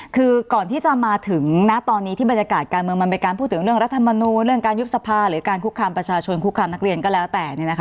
คือก่อนที่จะมาถึงณตอนนี้ที่บรรยากาศการเมืองมันเป็นการพูดถึงเรื่องรัฐมนูลเรื่องการยุบสภาหรือการคุกคามประชาชนคุกคามนักเรียนก็แล้วแต่